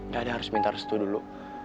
gak ada harus minta restu dulu